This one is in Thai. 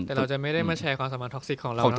แต่เราจะไม่ได้มาแชร์ความสามารถท็กซิกของเรานะ